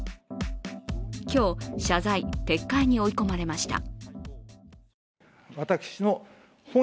今日、謝罪・撤回に追い込まれました。